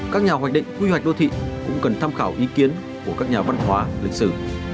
các nhà hoạch định quy hoạch đô thị cũng cần tham khảo ý kiến của các nhà văn hóa lịch sử